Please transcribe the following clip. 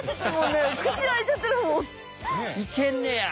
いけんねや。